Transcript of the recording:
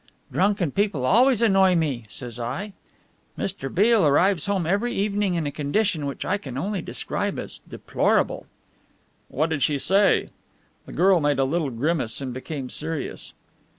'Drunken people always annoy me,' says I. 'Mr. Beale arrives home every evening in a condition which I can only describe as deplorable.'" "What did she say?" The girl made a little grimace and became serious.